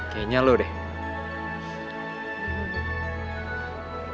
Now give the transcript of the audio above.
kayaknya lo deh